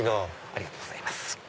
ありがとうございます。